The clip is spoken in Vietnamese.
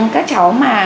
các cháu mà